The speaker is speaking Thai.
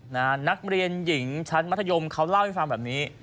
นักเรียนหญิงชั้นมัธยมเขาเล่าให้ฟังแบบนี้